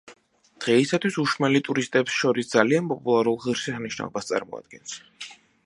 დღეისათვის უშმალი ტურისტებს შორის ძალიან პოპულარულ ღირსშესანიშნაობას წარმოადგენს.